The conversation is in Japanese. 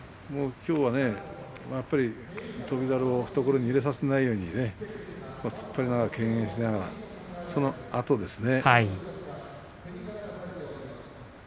きょうは翔猿を懐に入れさせないように敬遠しながらそのあとですね。